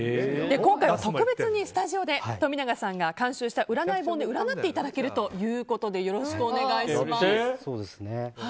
今回は特別にスタジオで飛永さんが監修した占い本で占っていただけるということでよろしくお願いします。